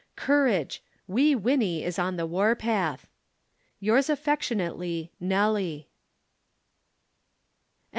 Courage! Wee Winnie is on the warpath. "Yours affectionately, "NELLY." CHAPTER XVI.